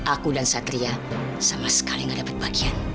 aku dan satriah sama sekali nggak dapat bagian